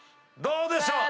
どうでしょう？